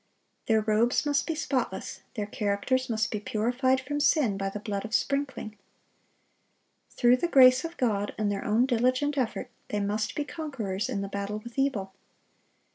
Their robes must be spotless, their characters must be purified from sin by the blood of sprinkling. Through the grace of God and their own diligent effort, they must be conquerors in the battle with evil.